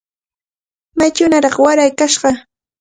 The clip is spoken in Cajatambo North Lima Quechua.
Maychawnaraq wara kashaq.